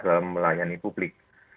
dalam melayani publik